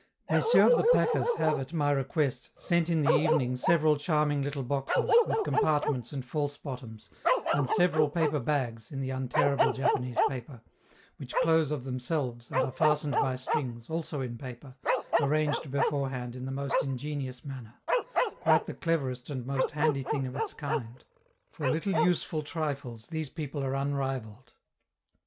Messieurs the packers have, at my request, sent in the evening several charming little boxes, with compartments and false bottoms, and several paper bags (in the untearable Japanese paper), which close of themselves and are fastened by strings, also in paper, arranged beforehand in the most ingenious manner quite the cleverest and most handy thing of its kind; for little useful trifles these people are unrivalled.